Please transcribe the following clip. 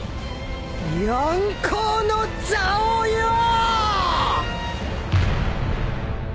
四皇の座をよぉ！